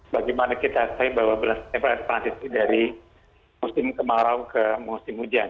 bagaimana kita tahu bahwa transisi dari musim kemarau ke musim hujan